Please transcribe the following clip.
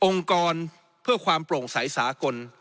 องค์กรเพื่อความโปร่งสายสากล